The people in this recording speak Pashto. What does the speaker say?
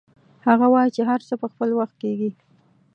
هغه وایي چې هر څه په خپل وخت کیږي